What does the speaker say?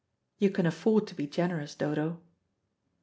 You can afford to be generous, Dodo."